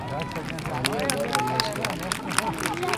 کہانیاں بانونیاں سیاں